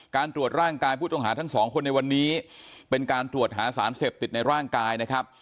ตรวจร่างกายผู้ต้องหาทั้งสองคนในวันนี้เป็นการตรวจหาสารเสพติดในร่างกายนะครับ